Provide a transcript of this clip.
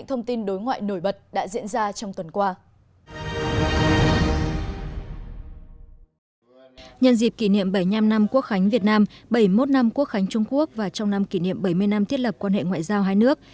nhân dịp kỷ niệm bảy mươi năm năm quốc khánh việt nam bảy mươi một năm quốc khánh trung quốc và trong năm kỷ niệm bảy mươi năm thiết lập quan hệ ngoại giao hai nước